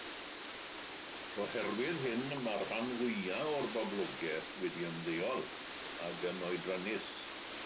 Oherwydd hyn mae'r rhan fwyaf o'r boblogaeth wedi ymddeol ac yn oedrannus.